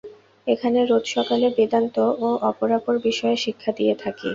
এখানে রোজ সকালে বেদান্ত বা অপরাপর বিষয়ে শিক্ষা দিয়ে থাকি।